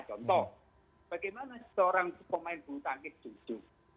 contoh bagaimana seorang pemain bulu tangkis duduk